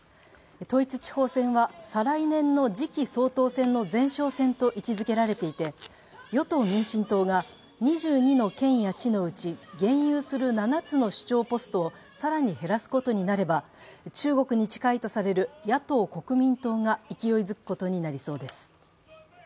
統一地方選は再来年の次期総統選の前哨戦と位置づけられていて与党・民進党が２２の県や市のうち現有する７つの首長ポストを更に減らすことになれば、中国に近いとされる野党・国民党が勢いづくことになりそうです。